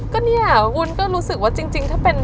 ก็เนี่ยวุ้นก็รู้สึกว่าจริงถ้าเป็น